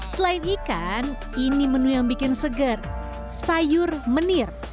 selain ikan ini menu yang bikin seger sayur menir